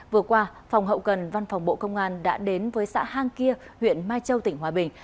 vừa qua phòng hậu cần văn phòng bộ công an đã đến với xã hang kia huyện mai châu tỉnh hòa bình